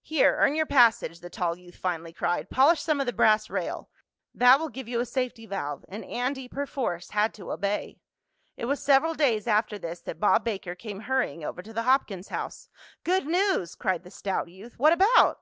"Here, earn your passage," the tall youth finally cried. "Polish some of the brass rail. That will give you a safety valve," and Andy, perforce, had to obey. It was several days after this that Bob Baker came hurrying over to the Hopkins house. "Good news!" cried the stout youth. "What about?"